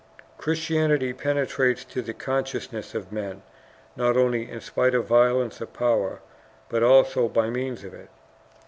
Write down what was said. Christianity penetrates to the consciousness of men, not only in spite of the violence of power, but also by means of it.